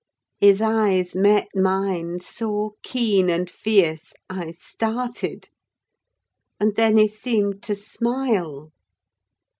His eyes met mine so keen and fierce, I started; and then he seemed to smile.